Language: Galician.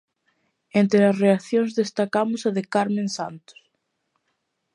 Entre as reaccións destacamos a de Carmen Santos.